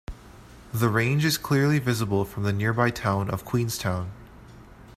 The range is clearly visible from the nearby town of Queenstown.